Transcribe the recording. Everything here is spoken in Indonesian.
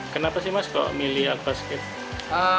kenapa sih mas kok milih aquascape